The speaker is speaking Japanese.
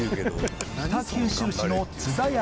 北九州市の津田屋